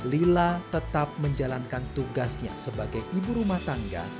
lila tetap menjalankan tugasnya sebagai ibu rumah tangga